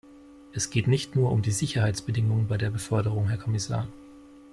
Es geht nicht nur um die Sicherheitsbedingungen bei der Beförderung, Herr Kommissar.